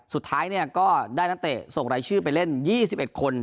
สุดท้ายก็ได้นักเตะส่งรายชื่อไปเล่น๒๑คน